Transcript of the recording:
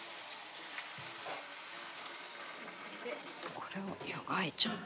これを湯がいちゃって。